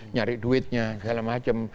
nyari duitnya segala macam